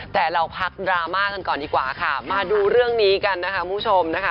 แต่เราพักดราม่ากันก่อนดีกว่าค่ะมาดูเรื่องนี้กันนะคะคุณผู้ชมนะคะ